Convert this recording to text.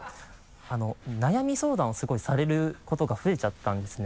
悩み相談をすごいされることが増えちゃったんですね。